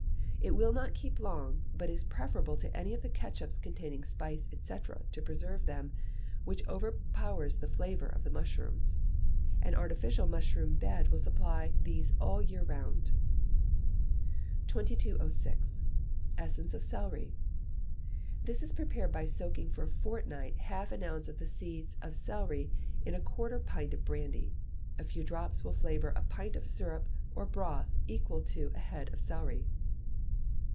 It will not keep long, but is preferable to any of the ketchups containing spice, &c., to preserve them, which overpowers the flavour of the mushrooms. An artificial mushroom bed will supply these all the year round. 2206. Essence of Celery. This is prepared by soaking for a fortnight half an ounce of the seeds of celery in a quarter of a pint of brandy. A few drops will flavour a pint of soup or broth equal to a head of celery.